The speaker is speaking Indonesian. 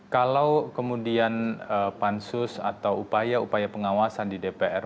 kalau kemudian pansus atau upaya upaya pengawasan di dpr